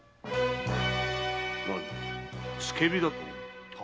何付け火だと？